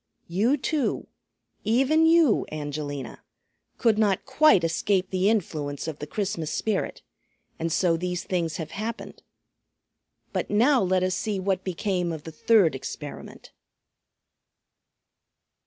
You too, even you, Angelina, could not quite escape the influence of the Christmas Spirit, and so these things have happened. But now let us see what became of the third experiment."